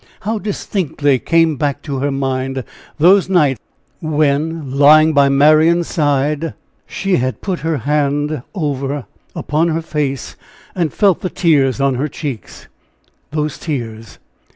How distinctly came back to her mind those nights when, lying by Marian's side, she had put her hand over upon her face and felt the tears on her cheeks. Those tears!